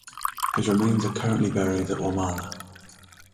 His remains are currently buried at Wamala.